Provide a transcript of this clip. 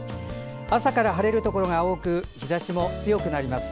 朝から晴れるところが多く日ざしも強くなります。